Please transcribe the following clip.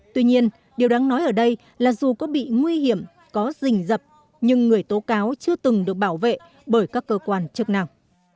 tuy nhiên điều đáng nói ở đây là dù có bị nguy hiểm có rình dập nhưng người tố cáo chưa từng được bảo vệ bởi các cơ quan chức nào